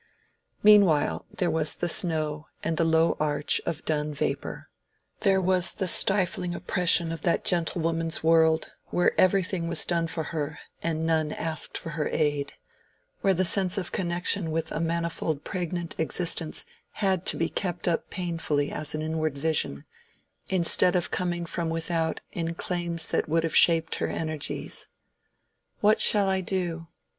Meanwhile there was the snow and the low arch of dun vapor—there was the stifling oppression of that gentlewoman's world, where everything was done for her and none asked for her aid—where the sense of connection with a manifold pregnant existence had to be kept up painfully as an inward vision, instead of coming from without in claims that would have shaped her energies.— "What shall I do?"